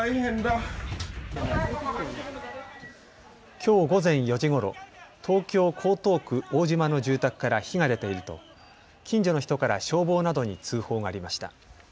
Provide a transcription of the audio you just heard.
きょう午前４時ごろ、東京江東区大島の住宅から火が出ていると近所の人から消防などに通報がありました。